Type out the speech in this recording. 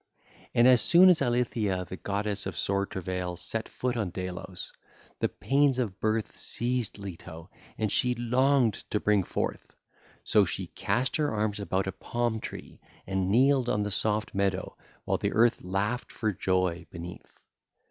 (ll. 115 122) And as soon as Eilithyia the goddess of sore travail set foot on Delos, the pains of birth seized Leto, and she longed to bring forth; so she cast her arms about a palm tree and kneeled on the soft meadow while the earth laughed for joy beneath.